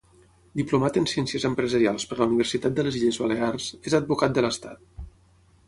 Diplomat en Ciències Empresarials per la Universitat de les Illes Balears, és advocat de l'Estat.